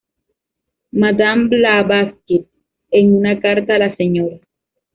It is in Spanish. Madame Blavatsky, en una carta a la Sra.